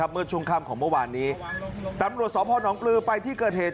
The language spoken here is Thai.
เมื่อช่วงค่ำของเมื่อวานนี้ตำรวจสพนปลือไปที่เกิดเหตุ